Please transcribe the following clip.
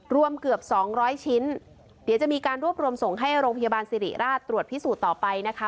รวมเกือบ๒๐๐ชิ้นเดี๋ยวจะมีการรวบรวมส่งให้โรงพยาบาลสิริราชตรวจพิสูจน์ต่อไปนะคะ